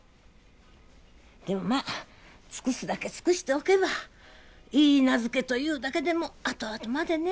でもまあ尽くすだけ尽くしておけばいいなずけというだけでも後々までねえ。